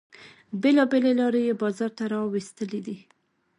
بیلابیلې لارې یې بازار ته را ویستلې دي.